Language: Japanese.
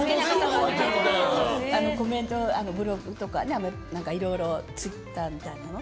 コメント、ブログとかいろいろツイッターみたいなので。